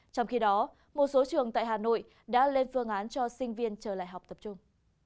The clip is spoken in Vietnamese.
trong khi đó một số trường tại hà nội đã lên phương án cho sinh viên trở lại học tập trung